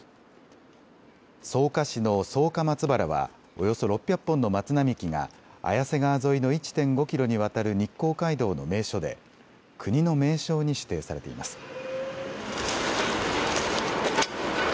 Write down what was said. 草加市の草加松原はおよそ６００本の松並木が綾瀬川沿いの１．５キロにわたる日光街道の名所で国の名勝に指定されています。